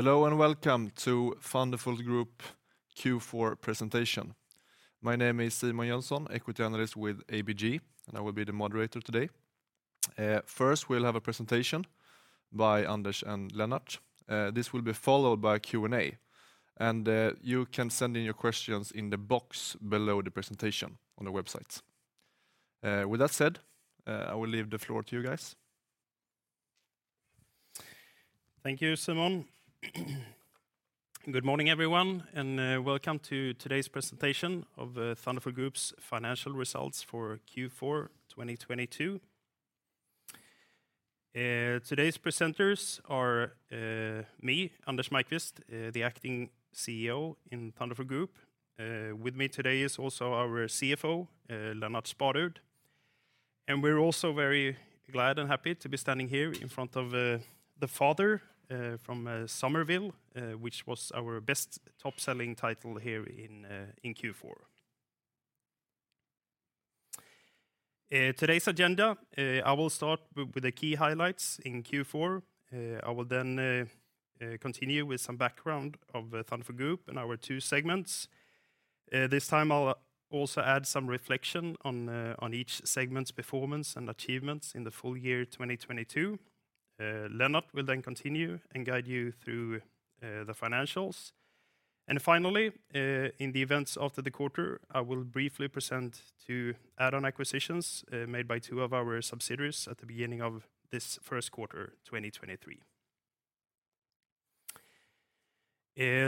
Hello and welcome to Thunderful Group Q4 presentation. My name is Simon Jönsson, Equity Analyst with ABG, and I will be the moderator today. First, we'll have a presentation by Anders and Lennart. This will be followed by a Q&A, and you can send in your questions in the box below the presentation on the website. With that said, I will leave the floor to you guys. Thank you, Simon. Good morning, everyone, welcome to today's presentation of Thunderful Group's financial results for Q4 2022. Today's presenters are me, Anders Maiqvist, the Acting CEO in Thunderful Group. With me today is also our CFO, Lennart Sparud. We're also very glad and happy to be standing here in front of the father from Somerville, which was our best top-selling title here in Q4. Today's agenda, I will start with the key highlights in Q4. I will then continue with some background of Thunderful Group and our two segments. This time I'll also add some reflection on each segment's performance and achievements in the full year 2022. Lennart will then continue and guide you through the financials. Finally, in the events after the quarter, I will briefly present two add-on acquisitions made by two of our subsidiaries at the beginning of this first quarter, 2023.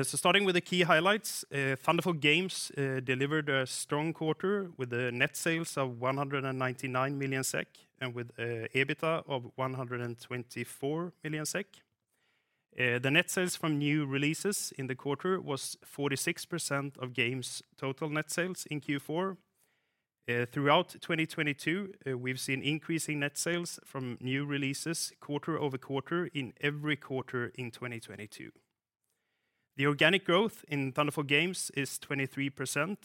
Starting with the key highlights, Thunderful Games delivered a strong quarter with the net sales of 199 million SEK and with EBITDA of 124 million SEK. The net sales from new releases in the quarter was 46% of Games total net sales in Q4. Throughout 2022, we've seen increasing net sales from new releases quarter-over-quarter in every quarter in 2022. The organic growth in Thunderful Games is 23%.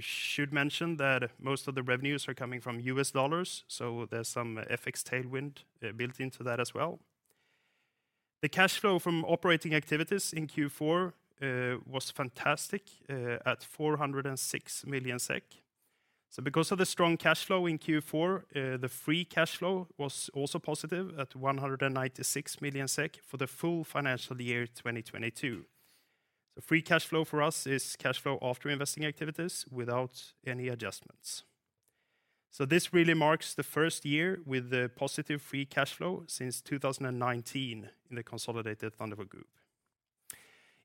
Should mention that most of the revenues are coming from US dollars, so there's some FX tailwind built into that as well. The cash flow from operating activities in Q4 was fantastic at 406 million SEK. Because of the strong cash flow in Q4, the free cash flow was also positive at 196 million SEK for the full financial year 2022. The free cash flow for us is cash flow after investing activities without any adjustments. This really marks the first year with a positive free cash flow since 2019 in the consolidated Thunderful Group.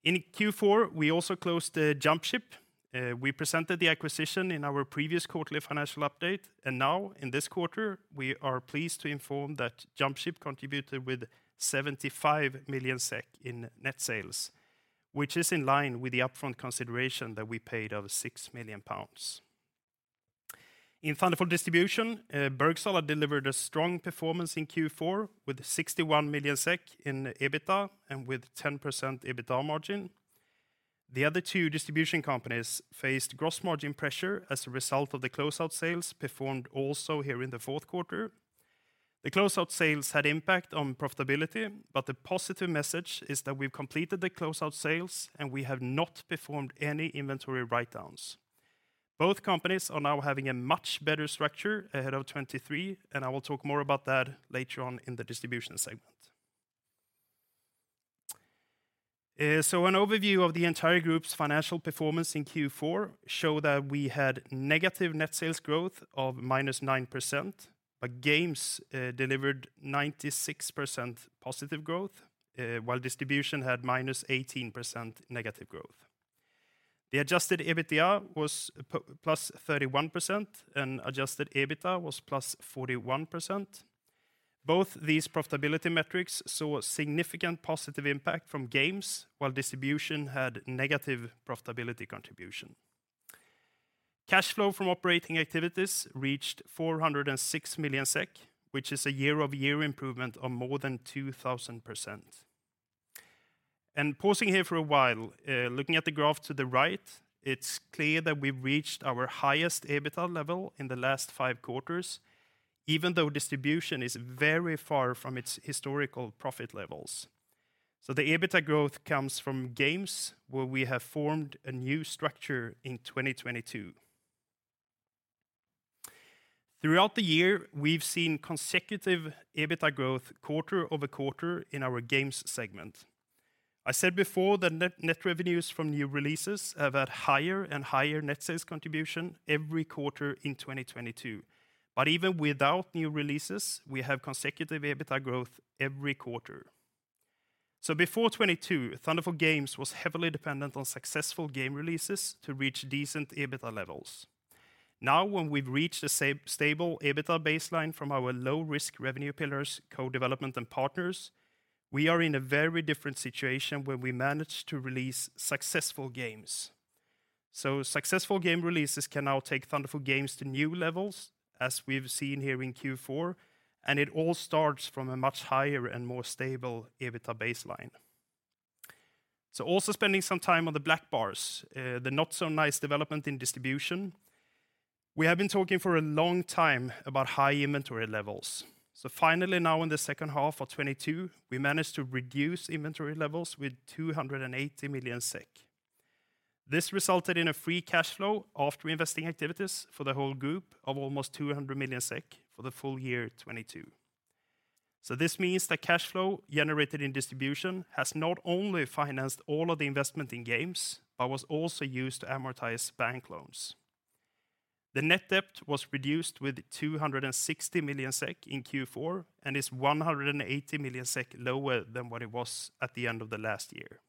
In Q4, we also closed Jumpship. We presented the acquisition in our previous quarterly financial update, in this quarter, we are pleased to inform that Jumpship contributed with 75 million SEK in net sales, which is in line with the upfront consideration that we paid of 6 million pounds. In Thunderful Distribution, Bergsala delivered a strong performance in Q4 with 61 million SEK in EBITDA and with 10% EBITDA margin. The other two distribution companies faced gross margin pressure as a result of the close-out sales performed also here in the fourth quarter. The close-out sales had impact on profitability, the positive message is that we've completed the close-out sales, and we have not performed any inventory write-downs. Both companies are now having a much better structure ahead of 2023, I will talk more about that later on in the distribution segment. An overview of the entire group's financial performance in Q4 show that we had negative net sales growth of -9%, Games delivered 96% positive growth, while Distribution had -18% negative growth. The adjusted EBITDA was plus 31% and adjusted EBITDA was plus 41%. Both these profitability metrics saw significant positive impact from Games, while Distribution had negative profitability contribution. Cash flow from operating activities reached 406 million SEK, which is a year-over-year improvement of more than 2,000%. Pausing here for a while, looking at the graph to the right, it's clear that we've reached our highest EBITDA level in the last five quarters, even though Distribution is very far from its historical profit levels. The EBITDA growth comes from Games, where we have formed a new structure in 2022. Throughout the year, we've seen consecutive EBITDA growth quarter-over-quarter in our Games segment. I said before that net revenues from new releases have had higher and higher net sales contribution every quarter in 2022. Even without new releases, we have consecutive EBITDA growth every quarter. Before 22, Thunderful Games was heavily dependent on successful game releases to reach decent EBITDA levels. Now when we've reached a stable EBITDA baseline from our low-risk revenue pillars, co-development and partners, we are in a very different situation when we manage to release successful games. Successful game releases can now take Thunderful Games to new levels, as we've seen here in Q4, and it all starts from a much higher and more stable EBITDA baseline. Also spending some time on the black bars, the not so nice development in distribution. We have been talking for a long time about high inventory levels. Finally now in the second half of 22, we managed to reduce inventory levels with 280 million SEK. This resulted in a free cash flow after investing activities for the whole group of almost 200 million SEK for the full year 2022. This means that cash flow generated in distribution has not only financed all of the investment in games, but was also used to amortize bank loans. The net debt was reduced with 260 million SEK in Q4 and is 180 million SEK lower than what it was at the end of the last year.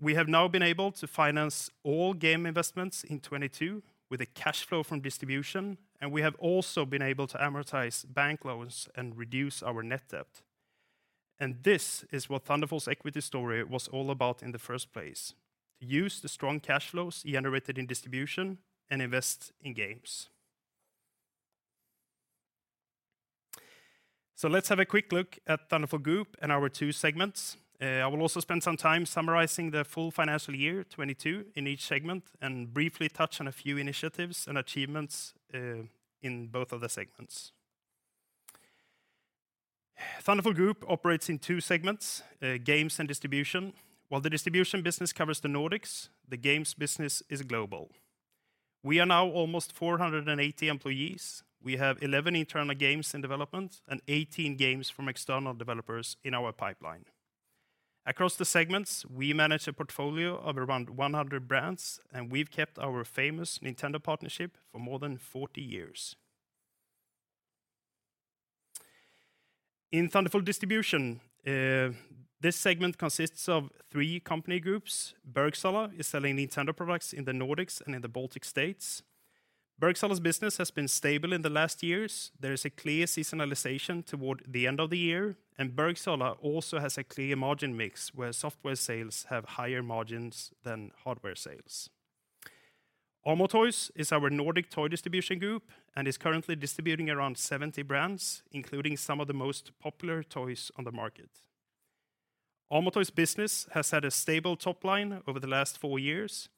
We have now been able to finance all game investments in 2022 with a cash flow from distribution, and we have also been able to amortize bank loans and reduce our net debt. This is what Thunderful Equity story was all about in the first place, to use the strong cash flows generated in distribution and invest in games. Let's have a quick look at Thunderful Group and our two segments. I will also spend some time summarizing the full financial year 2022 in each segment and briefly touch on a few initiatives and achievements in both of the segments. Thunderful Group operates in two segments, Games and Distribution. While the Distribution business covers the Nordics, the Games business is global. We are now almost 480 employees. We have 11 internal games in development and 18 games from external developers in our pipeline. Across the segments, we manage a portfolio of around 100 brands, and we've kept our famous Nintendo partnership for more than 40 years. In Thunderful Distribution, this segment consists of three company groups. Bergsala is selling Nintendo products in the Nordics and in the Baltic states. Bergsala's business has been stable in the last years. There is a clear seasonalization toward the end of the year. Bergsala also has a clear margin mix where software sales have higher margins than hardware sales. Amo Toys is our Nordic toy distribution group, currently distributing around 70 brands, including some of the most popular toys on the market. Amo Toys business has had a stable top line over the last 4 years.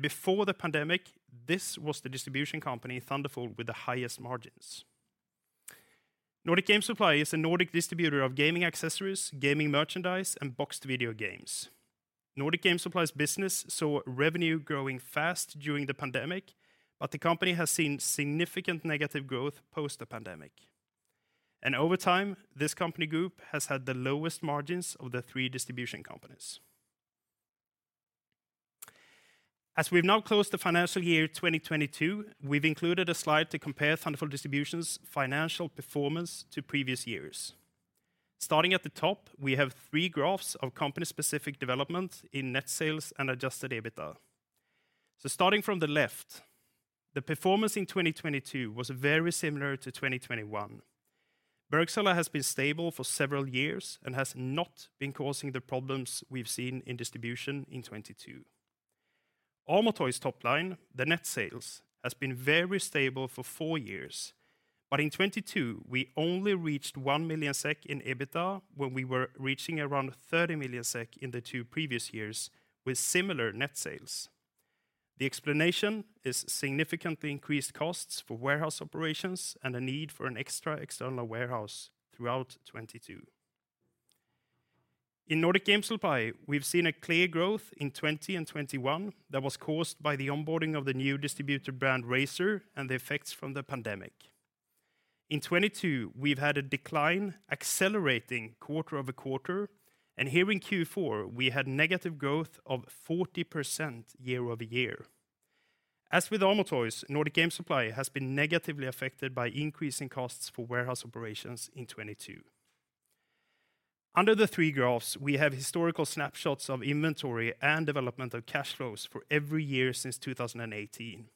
Before the pandemic, this was the distribution company Thunderful with the highest margins. Nordic Game Supply is a Nordic distributor of gaming accessories, gaming merchandise, and boxed video games. Nordic Game Supply's business saw revenue growing fast during the pandemic. The company has seen significant negative growth post the pandemic. Over time, this company group has had the lowest margins of the 3 distribution companies. As we've now closed the financial year 2022, we've included a slide to compare Thunderful Distribution's financial performance to previous years. Starting at the top, we have three graphs of company-specific development in net sales and adjusted EBITDA. Starting from the left, the performance in 2022 was very similar to 2021. Bergsala has been stable for several years and has not been causing the problems we've seen in distribution in 2022. Amo Toys top line, the net sales, has been very stable for four years. In 2022, we only reached 1 million SEK in EBITDA when we were reaching around 30 million SEK in the two previous years with similar net sales. The explanation is significantly increased costs for warehouse operations and a need for an extra external warehouse throughout 2022. In Nordic Game Supply, we've seen a clear growth in 20 and 2021 that was caused by the onboarding of the new distributor brand, Razer, and the effects from the pandemic. In 2022, we've had a decline accelerating quarter-over-quarter, and here in Q4, we had negative growth of 40% year-over-year. As with Amo Toys, Nordic Game Supply has been negatively affected by increasing costs for warehouse operations in 2022. Under the 3 graphs, we have historical snapshots of inventory and development of cash flows for every year since 2018.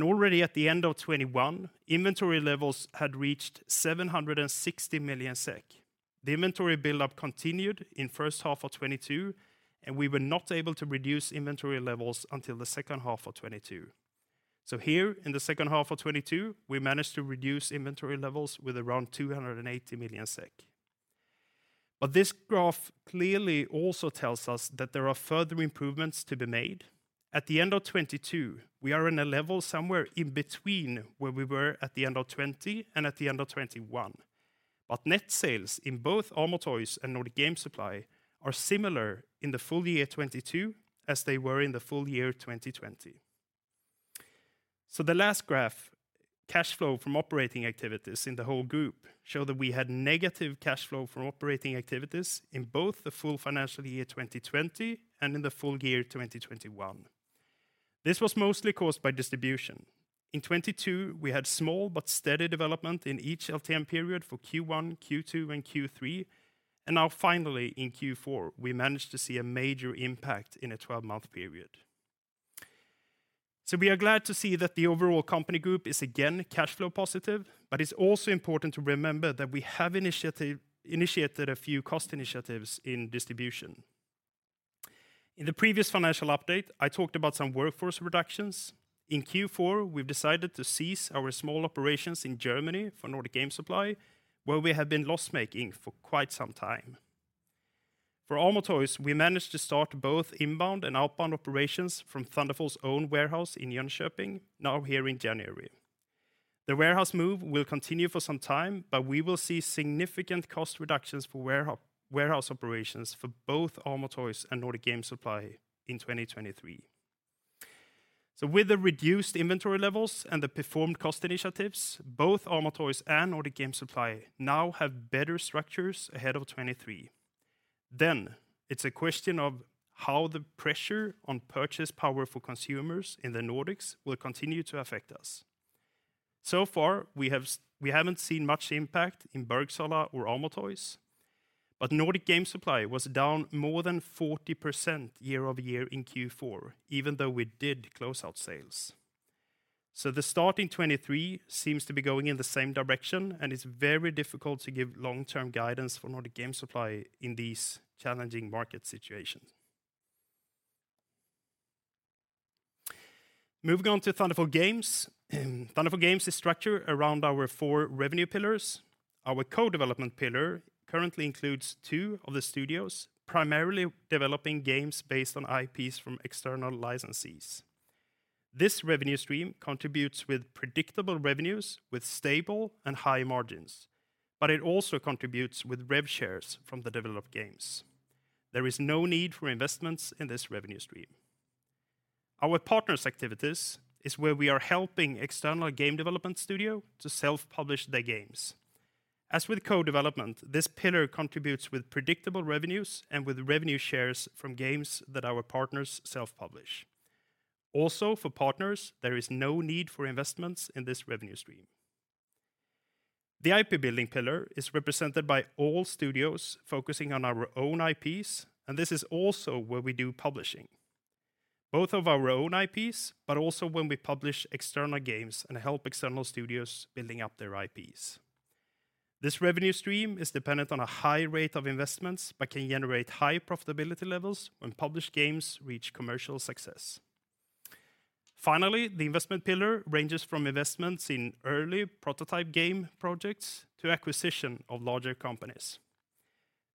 Already at the end of 2021, inventory levels had reached 760 million SEK. The inventory build-up continued in first half of 2022, and we were not able to reduce inventory levels until the second half of 2022. Here in the second half of 2022, we managed to reduce inventory levels with around 280 million SEK. This graph clearly also tells us that there are further improvements to be made. At the end of 2022, we are in a level somewhere in between where we were at the end of 2020 and at the end of 2021. Net sales in both Amo Toys and Nordic Game Supply are similar in the full year 2022 as they were in the full year 2020. The last graph, cash flow from operating activities in the whole group, show that we had negative cash flow from operating activities in both the full financial year 2020 and in the full year 2021. This was mostly caused by distribution. In 2022, we had small but steady development in each LTM period for Q1, Q2, and Q3. Now finally in Q4, we managed to see a major impact in a 12-month period. We are glad to see that the overall company group is again cash flow positive, but it's also important to remember that we have initiated a few cost initiatives in distribution. In the previous financial update, I talked about some workforce reductions. In Q4, we've decided to cease our small operations in Germany for Nordic Game Supply, where we have been loss-making for quite some time. Amo Toys, we managed to start both inbound and outbound operations from Thunderful's own warehouse in Jönköping now here in January. The warehouse move will continue for some time, but we will see significant cost reductions for warehouse operations for both Amo Toys and Nordic Game Supply in 2023. With the reduced inventory levels and the performed cost initiatives, both Amo Toys and Nordic Game Supply now have better structures ahead of 2023. It's a question of how the pressure on purchase power for consumers in the Nordics will continue to affect us. Far we haven't seen much impact in Bergsala or Amo Toys, but Nordic Game Supply was down more than 40% year-over-year in Q4, even though we did close out sales. The start in 2023 seems to be going in the same direction, and it's very difficult to give long-term guidance for Nordic Game Supply in these challenging market situations. Moving on to Thunderful Games. Thunderful Games is structured around our four revenue pillars. Our co-development pillar currently includes two of the studios, primarily developing games based on IPs from external licensees. This revenue stream contributes with predictable revenues with stable and high margins. It also contributes with rev shares from the developed games. There is no need for investments in this revenue stream. Our Partners activities is where we are helping external game development studio to self-publish their games. As with co-development, this pillar contributes with predictable revenues and with revenue shares from games that our Partners self-publish. Also for Partners, there is no need for investments in this revenue stream. The IP building pillar is represented by all studios focusing on our own IPs. This is also where we do publishing, both of our own IPs but also when we publish external games and help external studios building up their IPs. This revenue stream is dependent on a high rate of investments but can generate high profitability levels when published games reach commercial success. The investment pillar ranges from investments in early prototype game projects to acquisition of larger companies.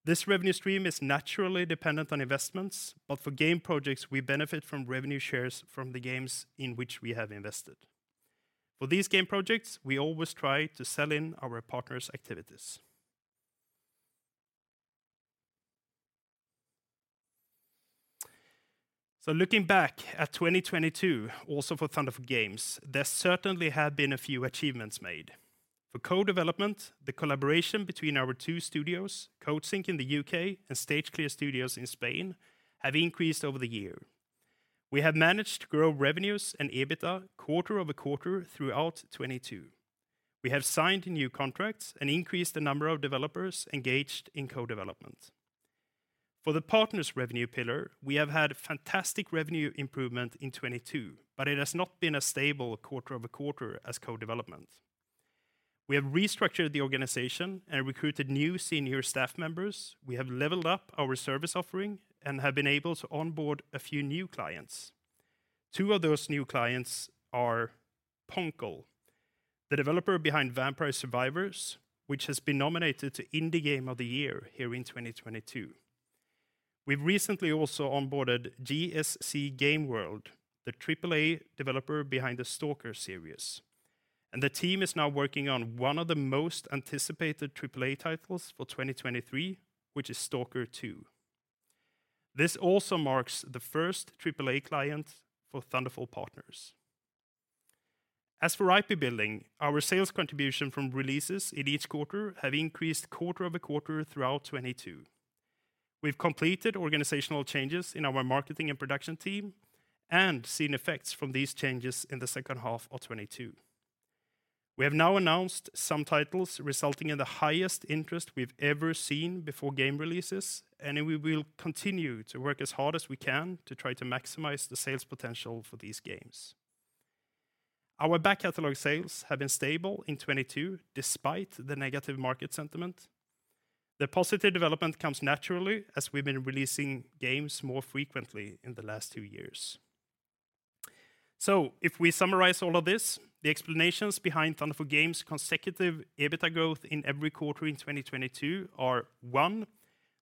This revenue stream is naturally dependent on investments. For game projects, we benefit from revenue shares from the games in which we have invested. For these game projects, we always try to sell in our Partners activities. Looking back at 2022 also for Thunderful Games, there certainly have been a few achievements made. For co-development, the collaboration between our two studios, Coatsink in the U.K. and Stage Clear Studios in Spain, have increased over the year. We have managed to grow revenues and EBITDA quarter-over-quarter throughout 22. We have signed new contracts and increased the number of developers engaged in co-development. For the Partners revenue pillar, we have had fantastic revenue improvement in 22. It has not been as stable quarter-over-quarter as co-development. We have restructured the organization and recruited new senior staff members. We have leveled up our service offering and have been able to onboard a few new clients. Two of those new clients are poncle, the developer behind Vampire Survivors, which has been nominated to Indie Game of the Year here in 2022. We've recently also onboarded GSC Game World, the AAA developer behind the S.T.A.L.K.E.R. series, and the team is now working on one of the most anticipated AAA titles for 2023, which is S.T.A.L.K.E.R. 2. This also marks the first AAA client for Thunderful Partners. As for IP building, our sales contribution from releases in each quarter have increased quarter-over-quarter throughout 2022. We've completed organizational changes in our marketing and production team and seen effects from these changes in the second half of 2022. We have now announced some titles resulting in the highest interest we've ever seen before game releases, and we will continue to work as hard as we can to try to maximize the sales potential for these games. Our back catalog sales have been stable in 22 despite the negative market sentiment. The positive development comes naturally as we've been releasing games more frequently in the last two years. If we summarize all of this, the explanations behind Thunderful Games' consecutive EBITDA growth in every quarter in 2022 are, one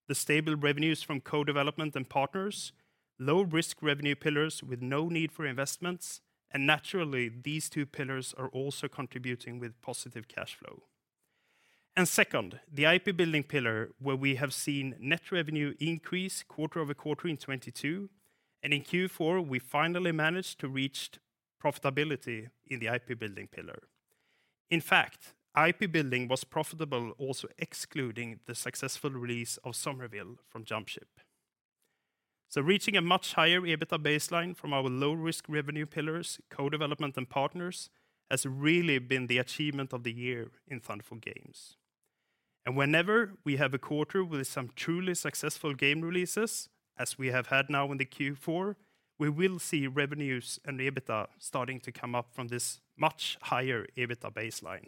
the stable revenues from co-development and partners, low risk revenue pillars with no need for investments. Naturally, these two pillars are also contributing with positive cash flow. two, the IP building pillar where we have seen net revenue increase quarter-over-quarter in 22. In Q4, we finally managed to reach profitability in the IP building pillar. In fact, IP building was profitable also excluding the successful release of Somerville from Jumpship. Reaching a much higher EBITDA baseline from our low risk revenue pillars, co-development and partners, has really been the achievement of the year in Thunderful Games. Whenever we have a quarter with some truly successful game releases, as we have had now in the Q4, we will see revenues and EBITDA starting to come up from this much higher EBITDA baseline.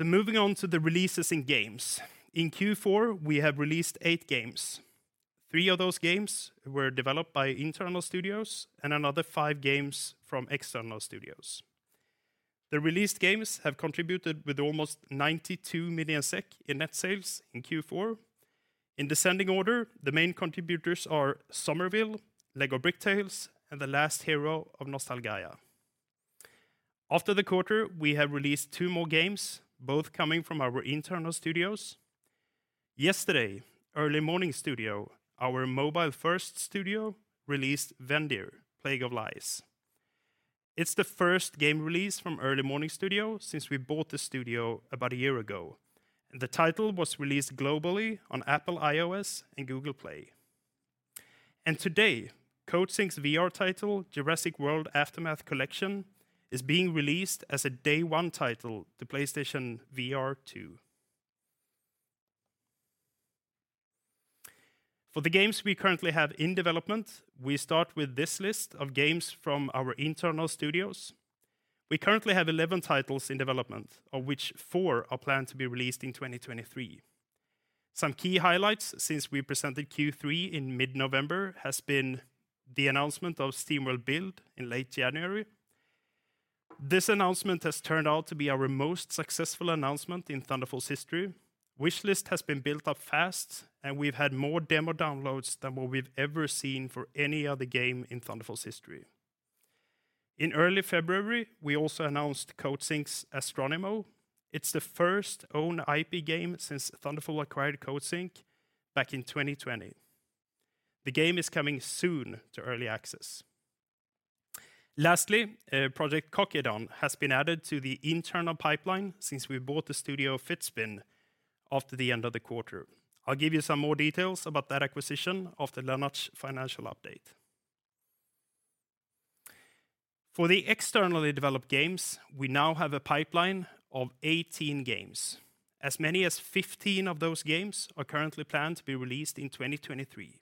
Moving on to the releases in games. In Q4, we have released eight games. Three of those games were developed by internal studios and another five games from external studios. The released games have contributed with almost 92 million SEK in net sales in Q4 In descending order, the main contributors are Somerville, LEGO Bricktales, and The Last Hero of Nostalgaia. After the quarter, we have released two more games, both coming from our internal studios. Yesterday, Early Morning Studio, our mobile first studio, released Vendir: Plague of Lies. It's the first game release from Early Morning Studio since we bought the studio about a year ago. The title was released globally on Apple iOS and Google Play. Today, Coatsink's VR title, Jurassic World Aftermath Collection, is being released as a day one title to PlayStation VR2. For the games we currently have in development, we start with this list of games from our internal studios. We currently have 11 titles in development, of which four are planned to be released in 2023. Some key highlights since we presented Q3 in mid-November has been the announcement of SteamWorld Build in late January. This announcement has turned out to be our most successful announcement in Thunderful's history. Wishlist has been built up fast, we've had more demo downloads than what we've ever seen for any other game in Thunderful's history. In early February, we also announced Coatsink's Astronimo. It's the first own IP game since Thunderful acquired Coatsink back in 2020. The game is coming soon to Early Access. Lastly, Project Kokidon has been added to the internal pipeline since we bought Studio Fizbin after the end of the quarter. I'll give you some more details about that acquisition after Lennart's financial update. For the externally developed games, we now have a pipeline of 18 games. As many as 15 of those games are currently planned to be released in 2023.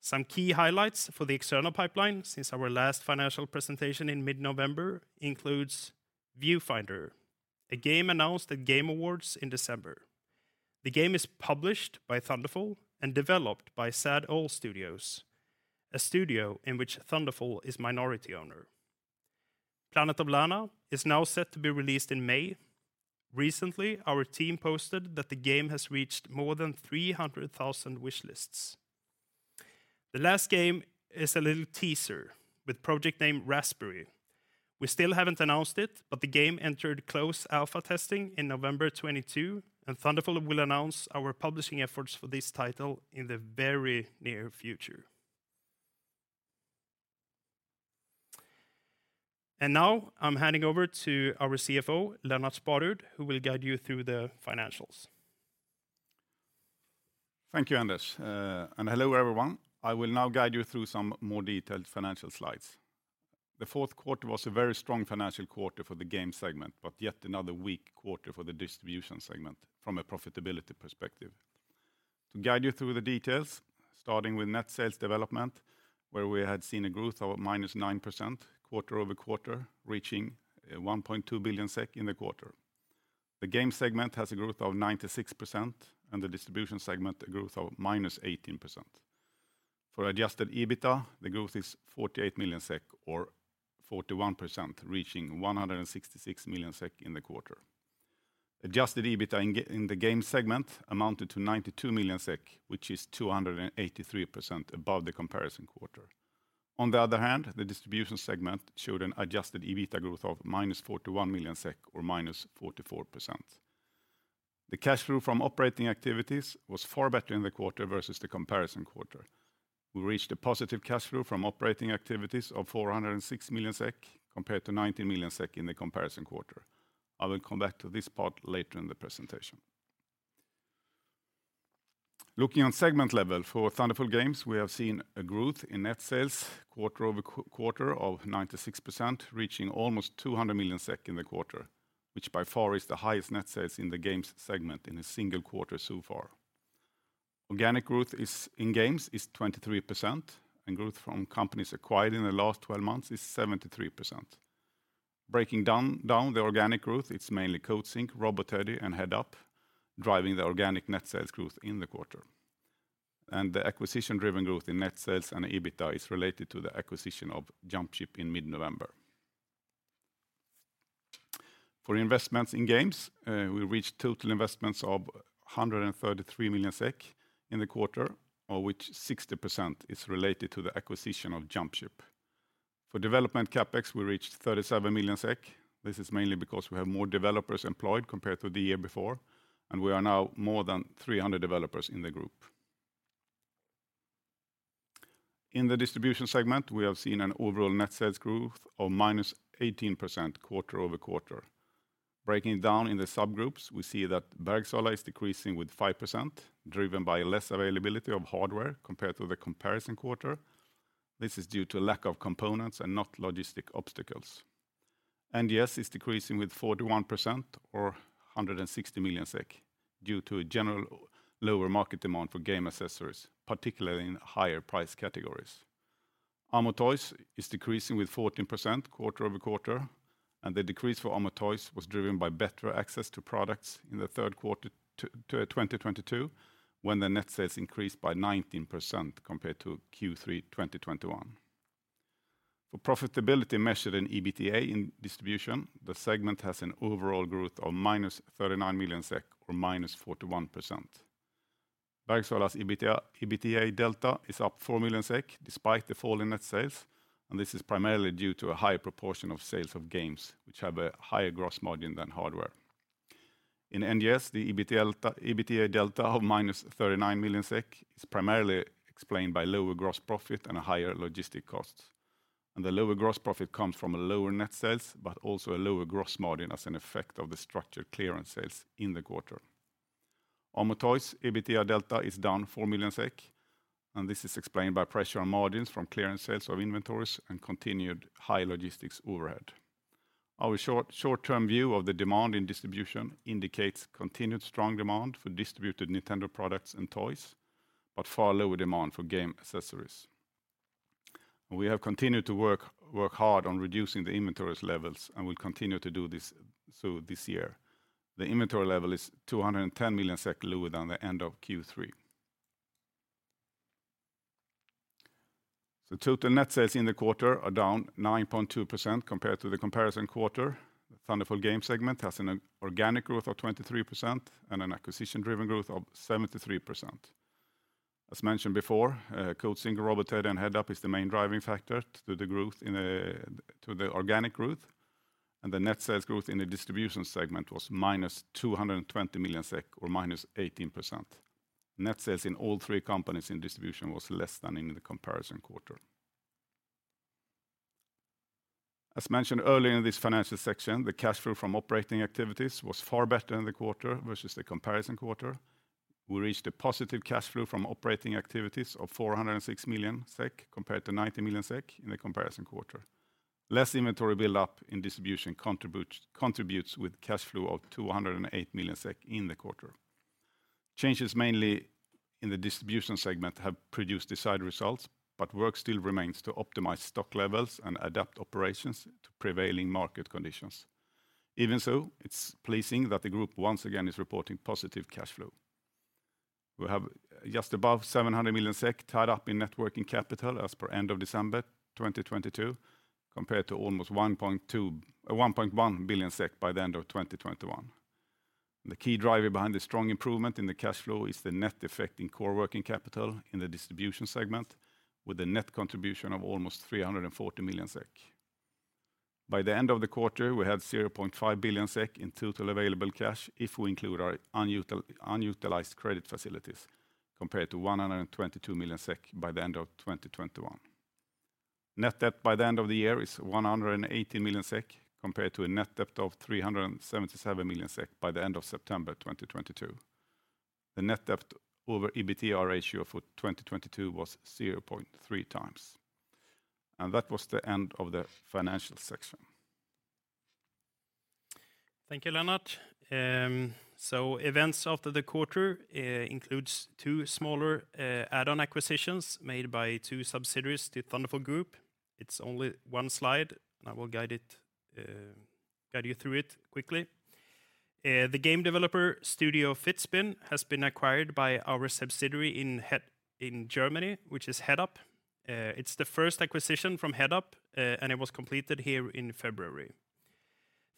Some key highlights for the external pipeline since our last financial presentation in mid-November includes Viewfinder, a game announced at The Game Awards in December. The game is published by Thunderful and developed by Sad Owl Studio, a studio in which Thunderful is minority owner. Planet of Lana is now set to be released in May. Recently, our team posted that the game has reached more than 300,000 wishlists. The last game is a little teaser with project name Raspberry. We still haven't announced it, but the game entered closed alpha testing in November 2022. Thunderful will announce our publishing efforts for this title in the very near future. Now I'm handing over to our CFO, Lennart Sparud, who will guide you through the financials. Thank you, Anders. Hello, everyone. I will now guide you through some more detailed financial slides. The fourth quarter was a very strong financial quarter for the Games segment, yet another weak quarter for the Distribution segment from a profitability perspective. To guide you through the details, starting with net sales development, where we had seen a growth of -9% quarter-over-quarter, reaching 1.2 billion SEK in the quarter. The Games segment has a growth of 96% and the Distribution segment a growth of -18%. For Adjusted EBITDA, the growth is 48 million SEK or 41%, reaching 166 million SEK in the quarter. Adjusted EBITDA in the Games segment amounted to 92 million SEK, which is 283% above the comparison quarter. On the other hand, the distribution segment showed an adjusted EBITDA growth of -41 million SEK or -44%. The cash flow from operating activities was far better in the quarter versus the comparison quarter. We reached a positive cash flow from operating activities of 406 million SEK compared to 90 million SEK in the comparison quarter. I will come back to this part later in the presentation. Looking on segment level for Thunderful Games, we have seen a growth in net sales quarter-over-quarter of 96%, reaching almost 200 million SEK in the quarter, which by far is the highest net sales in the games segment in a single quarter so far. Organic growth is, in games is 23%, and growth from companies acquired in the last 12 months is 73%. Breaking down the organic growth, it's mainly Coatsink, Robotality, and Headup driving the organic net sales growth in the quarter. The acquisition-driven growth in net sales and EBITDA is related to the acquisition of Jumpship in mid-November. For investments in games, we reached total investments of 133 million SEK in the quarter, of which 60% is related to the acquisition of Jumpship. For development CapEx, we reached 37 million SEK. This is mainly because we have more developers employed compared to the year before, and we are now more than 300 developers in the group. In the distribution segment, we have seen an overall net sales growth of minus 18% quarter-over-quarter. Breaking it down in the subgroups, we see that Bergsala is decreasing with 5%, driven by less availability of hardware compared to the comparison quarter. This is due to lack of components and not logistic obstacles. NGS is decreasing with 41% or 160 million SEK due to a general lower market demand for game accessories, particularly in higher price categories. Amo Toys is decreasing with 14% quarter-over-quarter. The decrease for Amo Toys was driven by better access to products in the third quarter 2022 when the net sales increased by 19% compared to Q3 2021. For profitability measured in EBITDA in Distribution, the segment has an overall growth of -39 million SEK or -41%. Bergsala's EBITDA delta is up 4 million SEK despite the fall in net sales. This is primarily due to a high proportion of sales of games which have a higher gross margin than hardware. In NGS, the EBITDA delta of minus 39 million SEK is primarily explained by lower gross profit and higher logistic costs. The lower gross profit comes from a lower net sales but also a lower gross margin as an effect of the structured clearance sales in the quarter. Amo Toys EBITDA delta is down 4 million SEK, and this is explained by pressure on margins from clearance sales of inventories and continued high logistics overhead. Our short-term view of the demand in Distribution indicates continued strong demand for distributed Nintendo products and toys, but far lower demand for game accessories. We have continued to work hard on reducing the inventories levels, and we continue to do this through this year. The inventory level is 210 million SEK lower than the end of Q3. Total net sales in the quarter are down 9.2% compared to the comparison quarter. Thunderful Games segment has an organic growth of 23% and an acquisition-driven growth of 73%. As mentioned before, Coatsink, Robotality, and Headup is the main driving factor to the growth in to the organic growth, and the net sales growth in the Distribution segment was minus 220 million SEK or minus 18%. Net sales in all three companies in Distribution was less than in the comparison quarter. As mentioned earlier in this financial section, the cash flow from operating activities was far better in the quarter versus the comparison quarter. We reached a positive cash flow from operating activities of 406 million SEK compared to 90 million SEK in the comparison quarter. Less inventory build-up in Distribution contributes with cash flow of 208 million SEK in the quarter. Changes mainly in the Distribution segment have produced desired results, but work still remains to optimize stock levels and adapt operations to prevailing market conditions. Even so, it's pleasing that the group once again is reporting positive cash flow. We have just above 700 million SEK tied up in net working capital as per end of December 2022 compared to almost 1.1 billion SEK by the end of 2021. The key driver behind the strong improvement in the cash flow is the net effect in core working capital in the Distribution segment with a net contribution of almost 340 million SEK. By the end of the quarter, we had 0.5 billion SEK in total available cash if we include our unutilized credit facilities compared to 122 million SEK by the end of 2021. Net debt by the end of the year is 180 million SEK compared to a net debt of 377 million SEK by the end of September 2022. The net debt over EBITDA ratio for 2022 was 0.3 times. That was the end of the financial section. Thank you, Lennart. Events after the quarter includes two smaller add-on acquisitions made by two subsidiaries to Thunderful Group. It's only 1 slide, and I will guide it, guide you through it quickly. The game developer Studio Fizbin has been acquired by our subsidiary in Germany, which is Headup. It's the first acquisition from Headup, and it was completed here in February.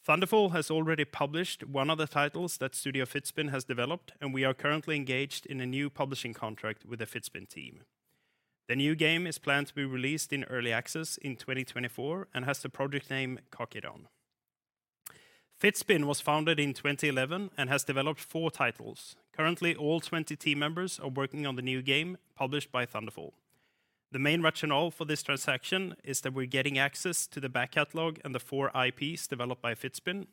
Thunderful has already published one of the titles that Studio Fizbin has developed, and we are currently engaged in a new publishing contract with the Fizbin team. The new game is planned to be released in Early Access in 2024 and has the project name Project Kokidon. Fizbin was founded in 2011 and has developed four titles. Currently, all 20 team members are working on the new game published by Thunderful. The main rationale for this transaction is that we're getting access to the back catalog and the four IPs developed by Fizbin.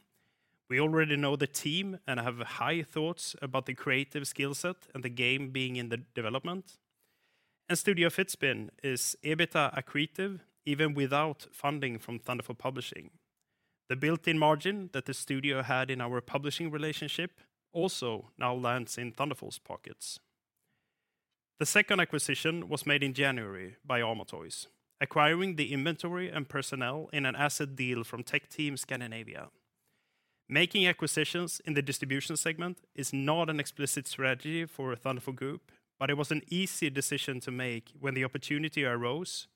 We already know the team and have high thoughts about the creative skill set and the game being in the development. Studio Fizbin is EBITDA accretive even without funding from Thunderful Publishing. The built-in margin that the studio had in our publishing relationship also now lands in Thunderful's pockets. The second acquisition was made in January by Amo Toys, acquiring the inventory and personnel in an asset deal from TecTeam Scandinavia. Making acquisitions in the Distribution segment is not an explicit strategy for Thunderful Group, but it was an easy decision to make when the opportunity arose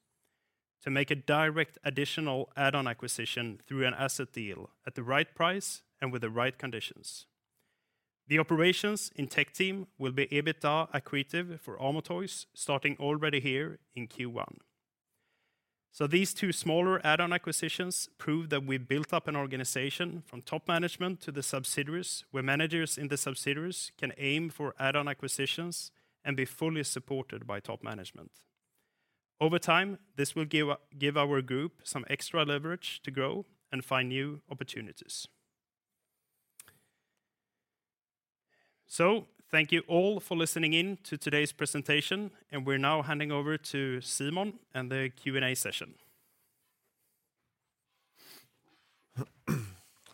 to make a direct additional add-on acquisition through an asset deal at the right price and with the right conditions. The operations in TecTeam will be EBITDA accretive for Amo Toys starting already here in Q1. These two smaller add-on acquisitions prove that we built up an organization from top management to the subsidiaries, where managers in the subsidiaries can aim for add-on acquisitions and be fully supported by top management. Over time, this will give our group some extra leverage to grow and find new opportunities. Thank you all for listening in to today's presentation, and we're now handing over to Simon and the Q&A session.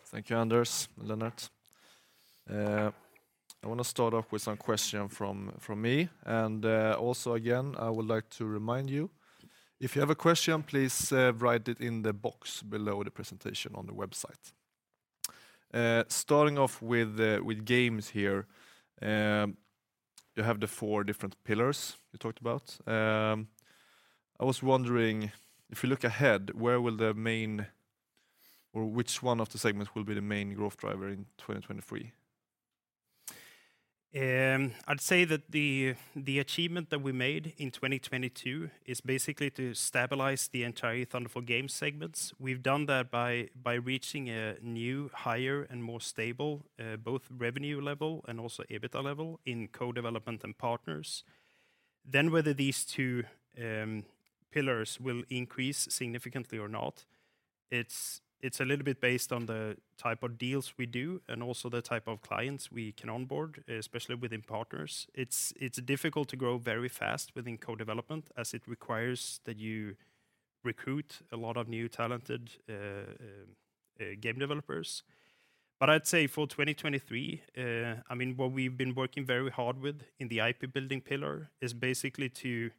Thank you, Anders and Lennart. I want to start off with some question from me, and also again, I would like to remind you, if you have a question, please write it in the box below the presentation on the website. Starting off with games here, you have the four different pillars you talked about. I was wondering if you look ahead, where will the main or which one of the segments will be the main growth driver in 2023? I'd say that the achievement that we made in 2022 is basically to stabilize the entire Thunderful Games segments. We've done that by reaching a new higher and more stable both revenue level and also EBITDA level in co-development and partners. Whether these two pillars will increase significantly or not, it's a little bit based on the type of deals we do and also the type of clients we can onboard, especially within partners. It's difficult to grow very fast within co-development as it requires that you recruit a lot of new talented game developers. I'd say for 2023, I mean, what we've been working very hard with in the IP building pillar is basically to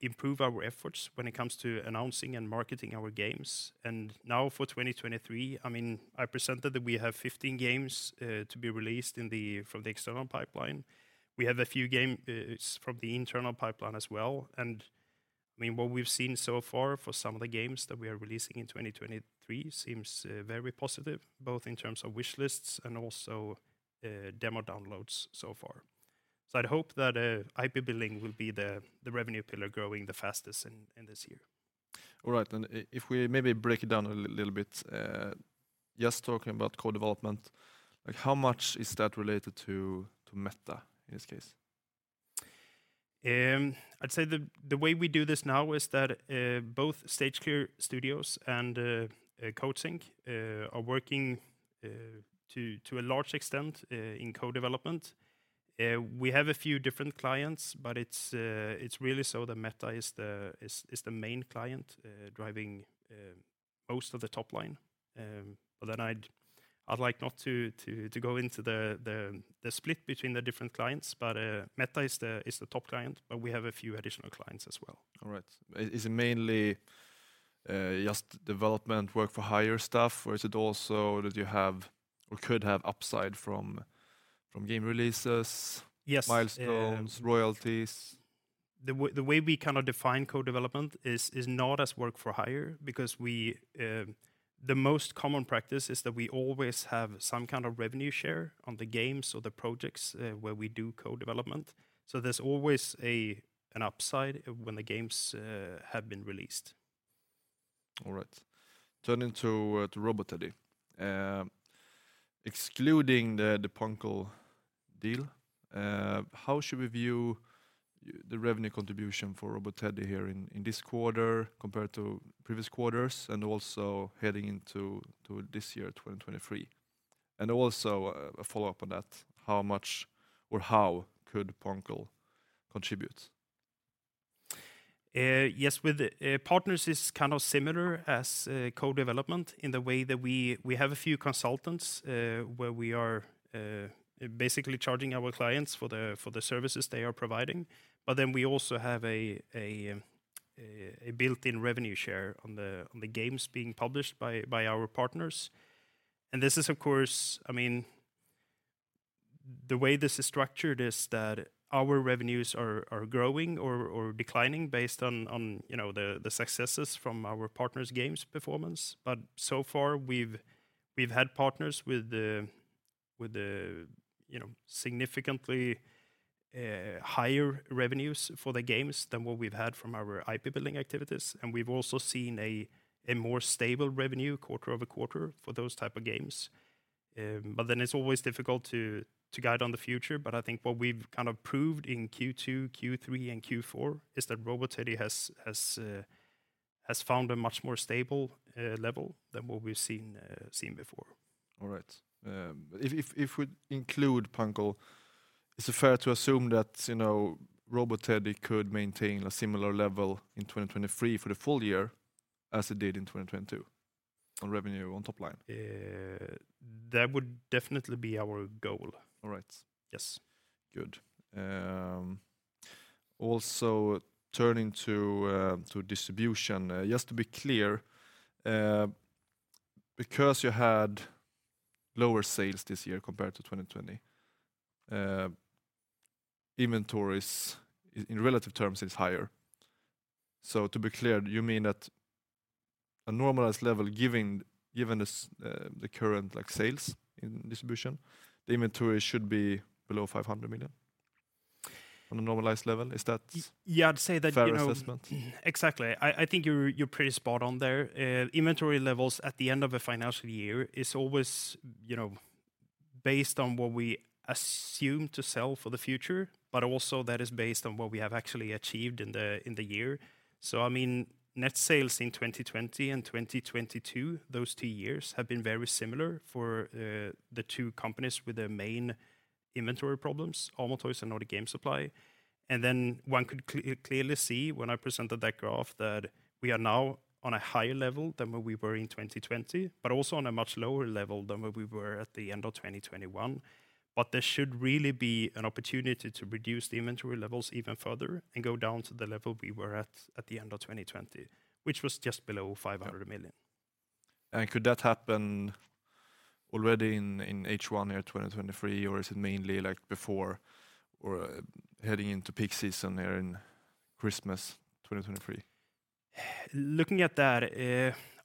improve our efforts when it comes to announcing and marketing our games. Now for 2023, I mean, I presented that we have 15 games to be released from the external pipeline. We have a few game from the internal pipeline as well, and I mean, what we've seen so far for some of the games that we are releasing in 2023 seems very positive, both in terms of wish lists and also demo downloads so far. I'd hope that IP building will be the revenue pillar growing the fastest in this year. All right. If we maybe break it down a little bit, just talking about co-development, like how much is that related to Meta in this case? I'd say the way we do this now is that both Stage Clear Studios and Coatsink are working to a large extent in co-development. We have a few different clients, but it's really so that Meta is the main client driving most of the top line. I'd like not to go into the split between the different clients, but Meta is the top client, but we have a few additional clients as well. All right. Is it mainly just development work for hire stuff, or is it also that you have or could have upside from game releases? Yes... milestones, royalties? The way we kind of define co-development is not as work for hire because we the most common practice is that we always have some kind of revenue share on the games or the projects where we do co-development. There's always an upside when the games have been released. All right. Turning to Robot Teddy. Excluding the poncle deal, how should we view the revenue contribution for Robot Teddy here in this quarter compared to previous quarters and also heading into this year, 2023? Also a follow-up on that, how much or how could poncle contribute? Yes. With partners is kind of similar as co-development in the way that we have a few consultants where we are basically charging our clients for the services they are providing. We also have a built-in revenue share on the games being published by our partners. I mean, the way this is structured is that our revenues are growing or declining based on, you know, the successes from our partners' games performance. So far we've had partners with the, you know, significantly higher revenues for the games than what we've had from our IP building activities, and we've also seen a more stable revenue quarter-over-quarter for those type of games. It's always difficult to guide on the future, but I think what we've kind of proved in Q2, Q3, and Q4 is that Robot Teddy has found a much more stable level than what we've seen seen before. All right. If we include poncle, is it fair to assume that, you know, Robot Teddy could maintain a similar level in 2023 for the full year as it did in 2022 on revenue, on top line? That would definitely be our goal. All right. Yes. Good. Also turning to distribution, just to be clear, because you had lower sales this year compared to 2020, inventories in relative terms is higher. To be clear, do you mean that a normalized level given this, the current like sales in distribution, the inventory should be below 500 million on a normalized level? Is that? Yeah, I'd say that, you know. fair assessment? Exactly. I think you're pretty spot on there. Inventory levels at the end of a financial year is always, you know, based on what we assume to sell for the future, but also that is based on what we have actually achieved in the year. I mean, net sales in 2020 and 2022, those two years have been very similar for the two companies with their mainInventory problems, Amo Toys and Nordic Game Supply. One could clearly see when I presented that graph that we are now on a higher level than where we were in 2020, but also on a much lower level than where we were at the end of 2021. There should really be an opportunity to reduce the inventory levels even further and go down to the level we were at the end of 2020, which was just below 500 million. Could that happen already in H1 2023, or is it mainly like before or heading into peak season here in Christmas 2023? Looking at that,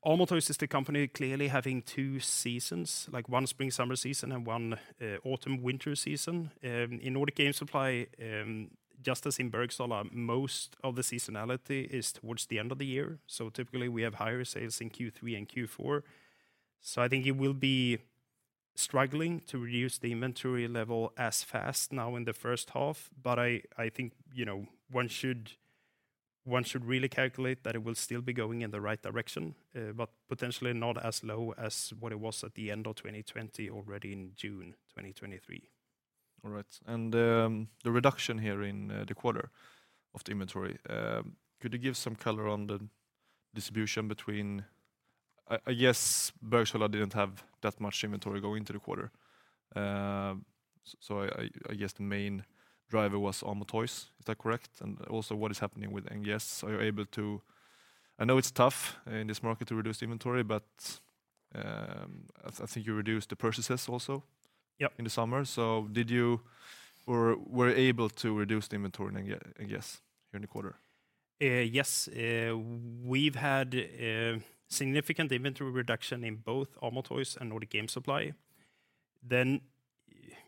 Amo Toys is the company clearly having two main seasons, like one spring/summer season and one autumn/winter season. In Nordic Game Supply, just as in Bergsala, most of the seasonality is towards the end of the year. Typically, we have higher sales in Q3 and Q4. I think it will be struggling to reduce the inventory level as fast now in the first half. I think, you know, one should really calculate that it will still be going in the right direction, but potentially not as low as what it was at the end of 2020 already in June 2023. All right. The reduction here in the quarter of the inventory, could you give some color on the distribution between... I guess Bergsala didn't have that much inventory going into the quarter. So I guess the main driver was Amo Toys. Is that correct? Also what is happening with NGS? I know it's tough in this market to reduce inventory, but I think you reduced the purchases also- Yep in the summer. Were able to reduce the inventory in NGS here in the quarter? Yes. We've had significant inventory reduction in both Amo Toys and Nordic Game Supply.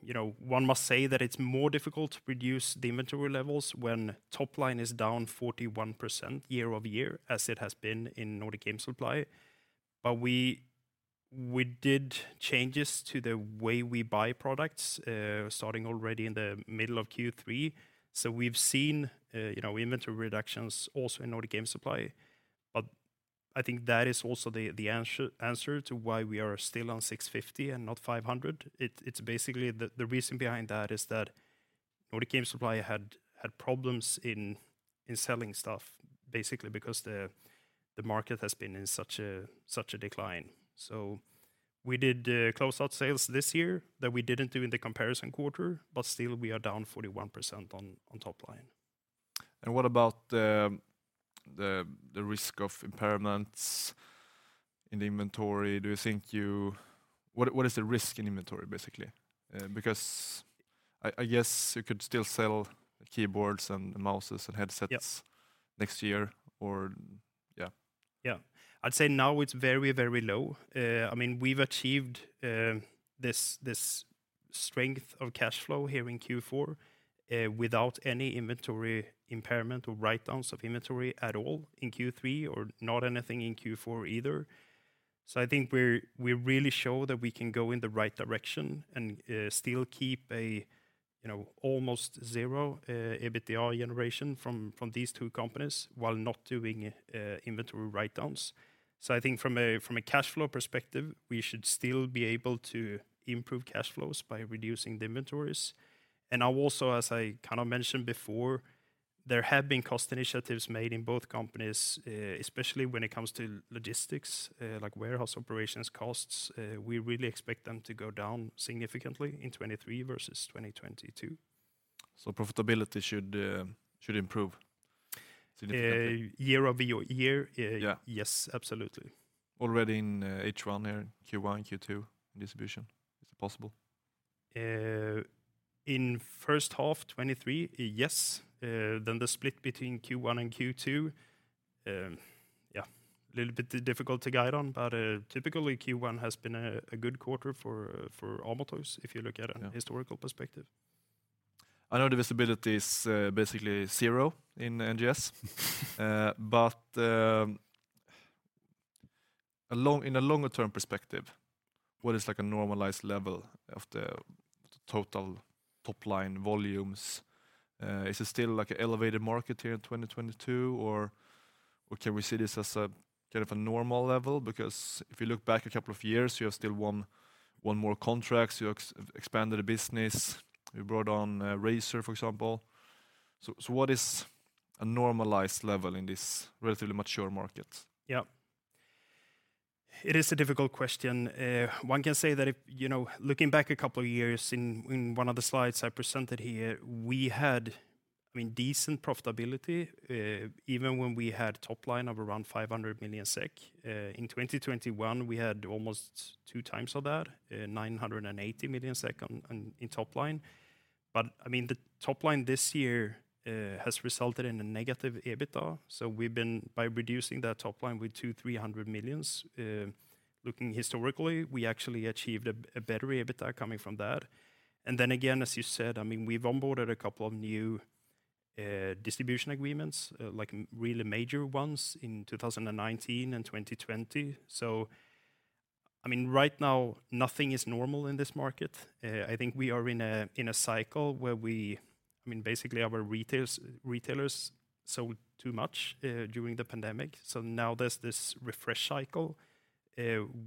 You know, one must say that it's more difficult to reduce the inventory levels when top line is down 41% year-over-year, as it has been in Nordic Game Supply. We did changes to the way we buy products, starting already in the middle of Q3. We've seen, you know, inventory reductions also in Nordic Game Supply. I think that is also the answer to why we are still on 650 and not 500. It's basically the reason behind that is that Nordic Game Supply had problems in selling stuff, basically because the market has been in such a decline. We did closeout sales this year that we didn't do in the comparison quarter, but still we are down 41% on top line. What about the risk of impairments in the inventory? What is the risk in inventory, basically? Because I guess you could still sell keyboards and mouses and headsets- Yeah... next year or, yeah. Yeah. I'd say now it's very, very low. I mean, we've achieved this strength of cash flow here in Q4, without any inventory impairment or write-downs of inventory at all in Q3 or not anything in Q4 either. I think we really show that we can go in the right direction and still keep a, you know, almost zero EBITDA generation from these two companies while not doing inventory write-downs. I think from a cash flow perspective, we should still be able to improve cash flows by reducing the inventories. Now also, as I kind of mentioned before, there have been cost initiatives made in both companies, especially when it comes to logistics, like warehouse operations costs. We really expect them to go down significantly in 23 versus 2022. Profitability should improve significantly. Year-over-year Yeah yes, absolutely. Already in H1 year, Q1, Q2 distribution, is it possible? In first half 2023, yes. The split between Q1 and Q2, yeah, a little bit difficult to guide on. Typically Q1 has been a good quarter for Amo Toys if you look at a historical perspective. I know the visibility is basically zero in NGS. In a longer term perspective, what is like a normalized level of the total top line volumes? Is it still like an elevated market here in 2022, or can we see this as a kind of a normal level? If you look back a couple of years, you have still won more contracts, you expanded the business, you brought on Razer, for example. What is a normalized level in this relatively mature market? Yeah. It is a difficult question. One can say that if, you know, looking back a couple of years in one of the slides I presented here, we had, I mean, decent profitability, even when we had top line of around 500 million SEK. In 2021, we had almost 2 times of that, 980 million SEK in top line. I mean, the top line this year, has resulted in a negative EBITDA. We've been by reducing that top line with 200 million-300 million, looking historically, we actually achieved a better EBITDA coming from that. Then again, as you said, I mean, we've onboarded a couple of new, distribution agreements, like really major ones in 2019 and 2020. I mean, right now nothing is normal in this market. I think we are in a cycle where I mean, basically our retailers sold too much during the pandemic. Now there's this refresh cycle.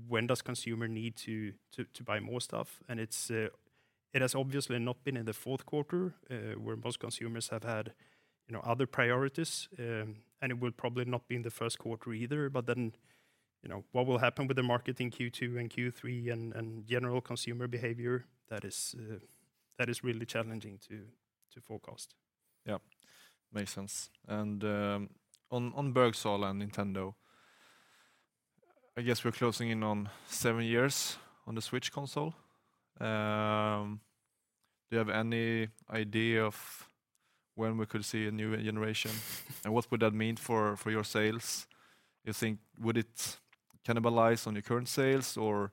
When does consumer need to buy more stuff? It's, it has obviously not been in the fourth quarter where most consumers have had, you know, other priorities, it will probably not be in the first quarter either. Then, you know, what will happen with the market in Q2 and Q3 and general consumer behavior that is really challenging to forecast. Yeah. Makes sense. On Bergsala and Nintendo, I guess we're closing in on 7 years on the Switch console. Do you have any idea of when we could see a new generation? What would that mean for your sales? You think would it cannibalize on your current sales, or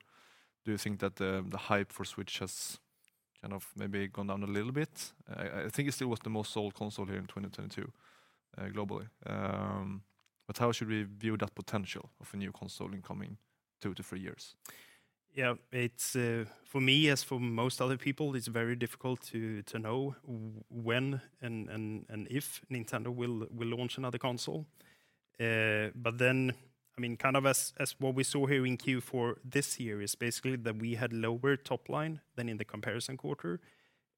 do you think that the hype for Switch has kind of maybe gone down a little bit? I think it still was the most sold console here in 2010 too, globally. How should we view that potential of a new console in coming 2-3 years? Yeah. It's for me, as for most other people, it's very difficult to know when and if Nintendo will launch another console. I mean, kind of as what we saw here in Q4 this year is basically that we had lower top line than in the comparison quarter.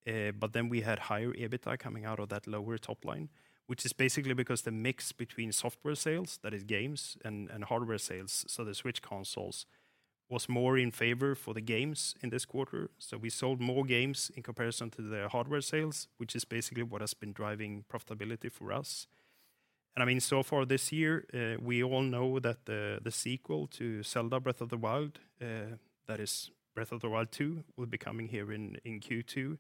We had higher EBITDA coming out of that lower top line, which is basically because the mix between software sales, that is games and hardware sales, so the Switch consoles, was more in favor for the games in this quarter. We sold more games in comparison to the hardware sales, which is basically what has been driving profitability for us. I mean, so far this year, we all know that the sequel to The Legend of Zelda: Tears of the Kingdom, that is Breath of the Wild 2, will be coming here in Q2.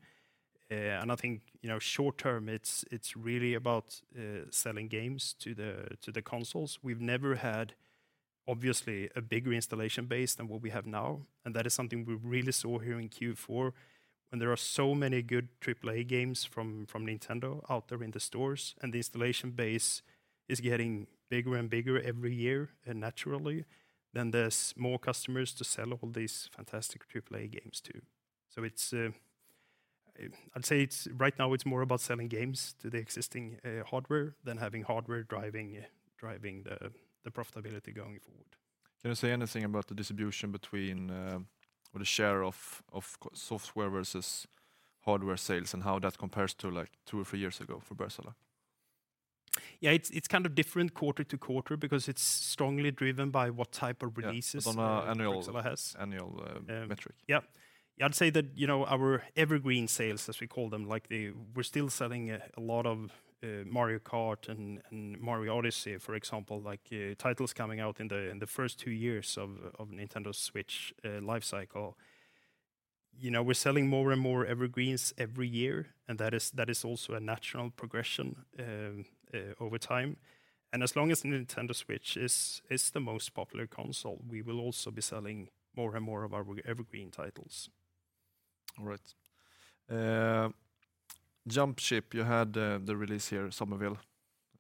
I think, you know, short term, it's really about selling games to the consoles. We've never had, obviously, a bigger installation base than what we have now. That is something we really saw here in Q4 when there are so many good AAA games from Nintendo out there in the stores. The installation base is getting bigger and bigger every year. Naturally then there's more customers to sell all these fantastic AAA games to. It's, I'd say right now it's more about selling games to the existing hardware than having hardware driving the profitability going forward. Can you say anything about the distribution between, or the share of software versus hardware sales and how that compares to, like, two or three years ago for Bergsala? Yeah, it's kind of different quarter to quarter because it's strongly driven by what type of releases- Yeah Bergsala has. On a annual metric. Yeah. I'd say that, you know, our evergreen sales, as we call them, like we're still selling a lot of Mario Kart and Mario Odyssey, for example, like titles coming out in the first 2 years of Nintendo Switch life cycle. You know, we're selling more and more evergreens every year, and that is also a natural progression over time. As long as Nintendo Switch is the most popular console, we will also be selling more and more of our evergreen titles. All right. Jumpship, you had, the release here, Somerville.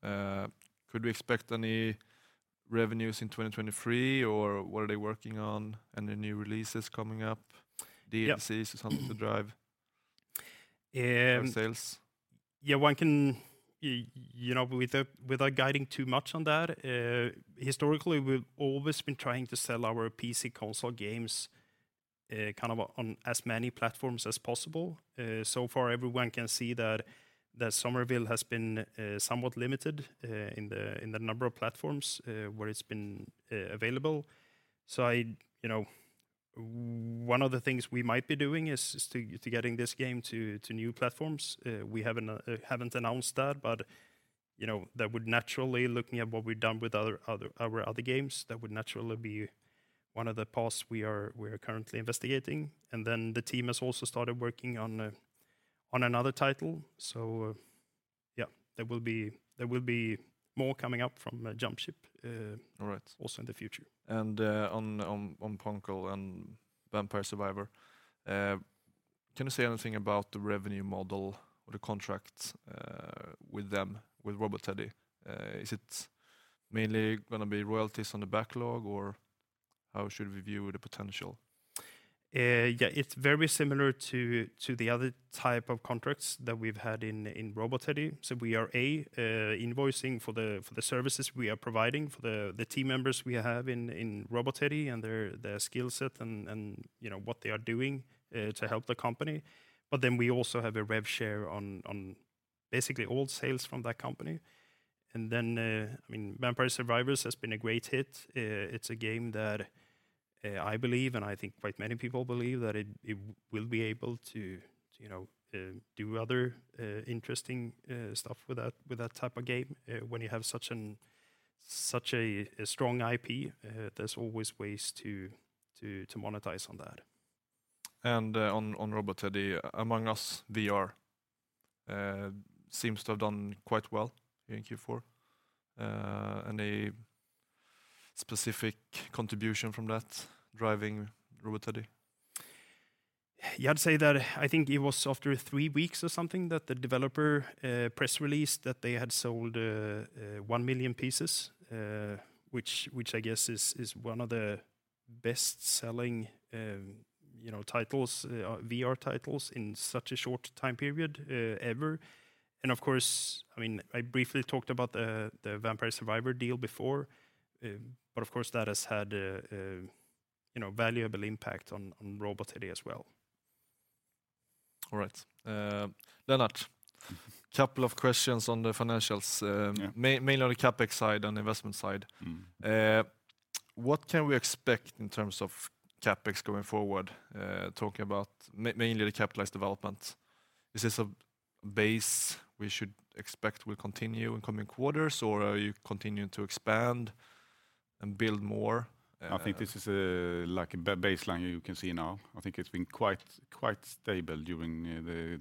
Could we expect any revenues in 2023, or what are they working on? Any new releases coming up? Yeah. DLCs or something to. Um- ...sales? One can, you know, without guiding too much on that, historically, we've always been trying to sell our PC console games, kind of on as many platforms as possible. Far everyone can see that Somerville has been somewhat limited in the number of platforms where it's been available. You know, one of the things we might be doing is to getting this game to new platforms. We haven't announced that, you know, that would naturally, looking at what we've done with other our other games, that would naturally be one of the paths we are currently investigating. The team has also started working on another title. There will be more coming up from Jumpship- All right. ...also in the future. On poncle and Vampire Survivors, can you say anything about the revenue model or the contract with them, with Robot Teddy? Is it mainly gonna be royalties on the backlog, or how should we view the potential? Yeah, it's very similar to the other type of contracts that we've had in Robot Teddy. We are, A, invoicing for the services we are providing for the team members we have in Robot Teddy and their skill set and, you know, what they are doing to help the company. We also have a rev share on basically all sales from that company. I mean, Vampire Survivors has been a great hit. It's a game that I believe, and I think quite many people believe, that it will be able to, you know, do other interesting stuff with that type of game. When you have such a strong IP, there's always ways to monetize on that. On Robot Teddy, Among Us VR seems to have done quite well in Q4. Any specific contribution from that driving Robot Teddy? Yeah, I'd say that I think it was after three weeks or something that the developer press released that they had sold 1 million pieces, which I guess is one of the best-selling You know, titles, VR titles in such a short time period ever. Of course, I mean, I briefly talked about the Vampire Survivors deal before. But of course, that has had a, you know, valuable impact on Robot Teddy as well. All right. Lennart, couple of questions on the financials- Yeah mainly on the CapEx side and investment side. Mm-hmm. What can we expect in terms of CapEx going forward, talking about mainly the capitalized development? Is this a base we should expect will continue in coming quarters, or are you continuing to expand and build more? I think this is, like a baseline you can see now. I think it's been quite stable during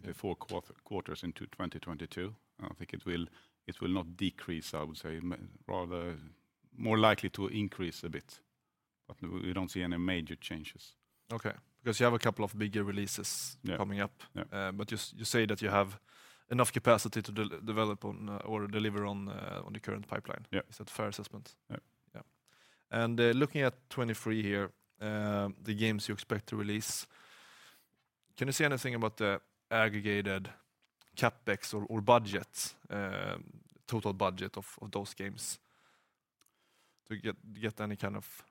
the four quarters into 2022. I think it will not decrease, I would say. Rather more likely to increase a bit, but we don't see any major changes. Okay, because you have a couple of bigger releases. Yeah coming up. Yeah. You say that you have enough capacity to develop on or deliver on the current pipeline. Yeah. Is that a fair assessment? Yeah. Yeah. Looking at 2023 here, the games you expect to release, can you say anything about the aggregated CapEx or budget, total budget of those games to get any kind of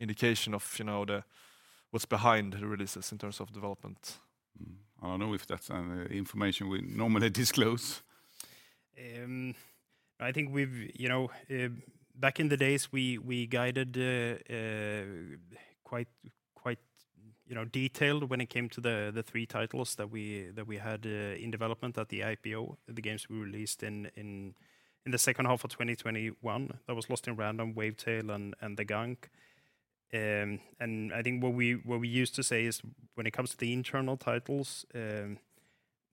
indication of, you know, what's behind the releases in terms of development? I don't know if that's information we normally disclose. I think we've, you know, back in the days, we guided, quite, you know, detailed when it came to the 3 titles that we, that we had, in development at the IPO, the games we released in the second half of 2021. That was Lost in Random, Wavetale, and The Gunk. I think what we, what we used to say is when it comes to the internal titles,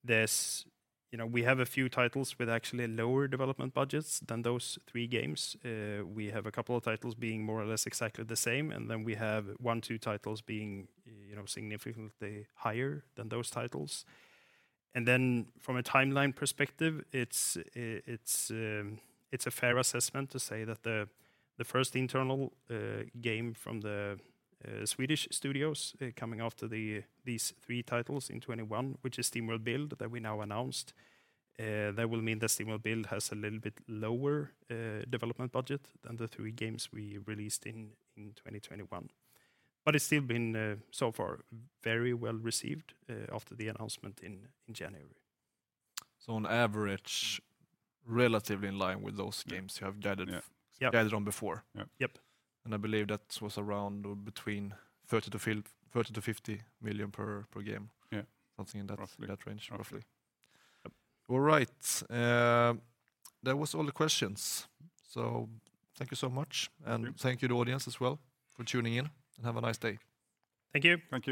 there's, you know, we have a few titles with actually lower development budgets than those 3 games. We have a couple of titles being more or less exactly the same, and then we have 1, 2 titles being, you know, significantly higher than those titles. From a timeline perspective, it's a fair assessment to say that the first internal game from the Swedish studios, coming after these 3 titles in 2021, which is SteamWorld Build that we now announced, that will mean that SteamWorld Build has a little bit lower development budget than the 3 games we released in 2021. It's still been so far, very well-received after the announcement in January. on average, relatively in line with those games you have. Yeah. Guided on before. Yeah. Yep. I believe that was around or between 30-50 million per game. Yeah. Something in that-... Roughly ...that range. Roughly. All right. That was all the questions. Thank you so much. Thank you. Thank you to audience as well for tuning in, and have a nice day. Thank you. Thank you.